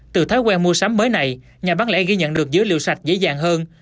từ thái quen mua sắm mới này nhà bán lẽ ghi nhận được dữ liệu sạch dễ dàng hơn